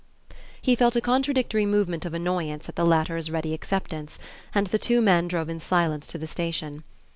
He felt a contradictory movement of annoyance at the latter's ready acceptance, and the two men drove in silence to the station.